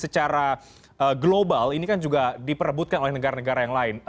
secara global ini kan juga diperebutkan oleh negara negara yang lain